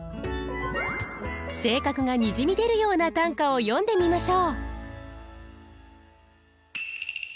性格がにじみ出るような短歌を詠んでみましょう。